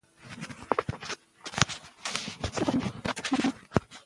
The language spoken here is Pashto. په تېرو کلونو کې ازادي راډیو د سوله په اړه راپورونه خپاره کړي دي.